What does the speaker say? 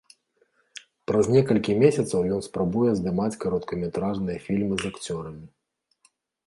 Праз некалькі месяцаў ён спрабуе здымаць кароткаметражныя фільмы з акцёрамі.